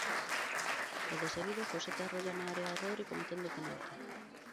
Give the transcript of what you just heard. E deseguido, Josete arrolla na área a Rodri cometendo penalti.